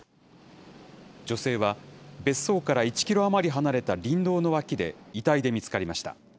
女性は、別荘から１キロ余り離れた林道の脇で、遺体で見つかりました。